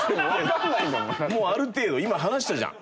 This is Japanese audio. もうある程度今話したじゃん。